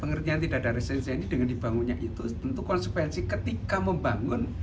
pengertian tidak ada resesi ini dengan dibangunnya itu tentu konsekuensi ketika membangun